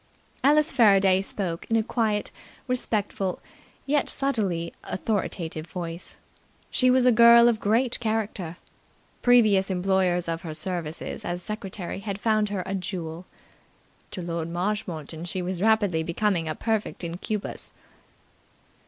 Alice Faraday spoke in a quiet, respectful, yet subtly authoritative voice. She was a girl of great character. Previous employers of her services as secretary had found her a jewel. To Lord Marshmoreton she was rapidly becoming a perfect incubus.